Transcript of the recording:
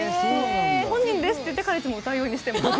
本人ですって言ってからいつも歌うようにしています。